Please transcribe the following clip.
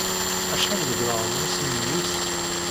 Acḥal deg leɛmeṛ-nnes memmi-s?